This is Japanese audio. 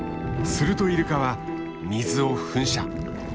するとイルカは水を噴射。